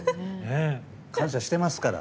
感謝してますから。